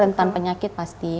rentan penyakit pasti